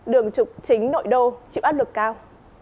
đường trục chính nội đô chịu áp lực cao